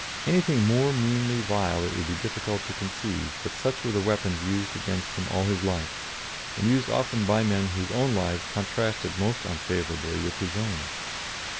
Anything more meanly vile it would be difficult to conceive, but such were the weapons used against him all his life, and used often by men whose own lives contrasted most unfavourably with his own.